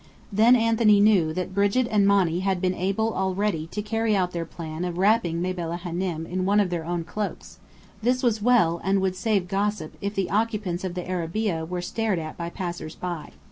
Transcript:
Then Anthony knew that Brigit and Monny had been able already to carry out their plan of wrapping Mabella Hânem in one of their own cloaks. This was well, and would save gossip, if the occupants of the arabeah were stared at by passers by.